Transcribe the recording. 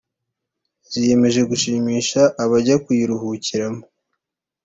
ziyemeje gushimisha abajya kuyiruhukiramo